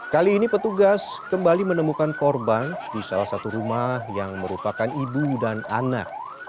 kali ini petugas kembali menemukan korban di salah satu rumah yang merupakan ibu dan anak